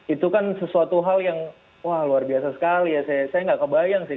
itu kan sesuatu hal yang wah luar biasa sekali ya saya nggak kebayang sih